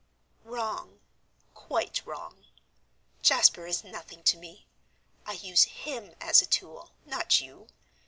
"Wrong, quite wrong. Jasper is nothing to me; I use him as a tool, not you.